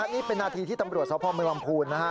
นี้เป็นนาฬิที่ตำรวจซ้อมพ่อเมืองลำภูนิ